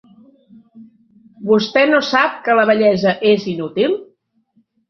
Vostè no sap que la bellesa és inútil?